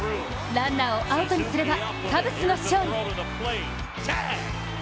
ランナーをアウトにすればカブスの勝利。